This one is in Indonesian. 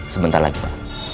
sebentar lagi pak